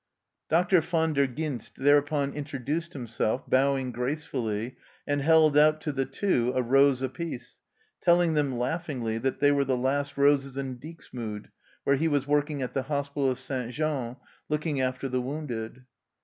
Dr. Van der Ghinst thereupon introduced himself, bowing gracefully, and held out to the Two a rose apiece, telling them laughingly that they were the last roses in Dixmude, where he was working at the hospital of St. Jean, looking after the wounded.